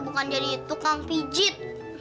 bukan jadi tukang pijit